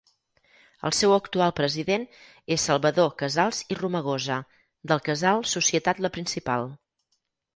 El seu actual president és Salvador Casals i Romagosa, del Casal Societat La Principal.